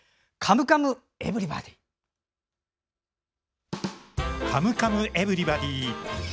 「カムカムエヴリバディ」。